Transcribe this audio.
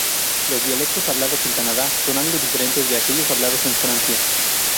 Los dialectos hablados en Canadá son algo diferentes de aquellos hablados en Francia.